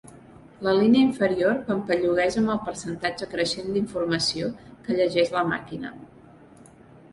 La línia inferior pampallugueja amb el percentatge creixent d'informació que llegeix la màquina.